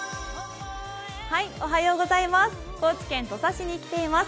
高知県土佐市に来ています。